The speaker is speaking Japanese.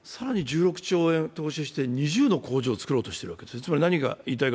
更に１６兆円投資して２０の工場を作ろうとしているわけです。